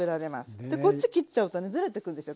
そしてこっち切っちゃうとねずれてくんですよ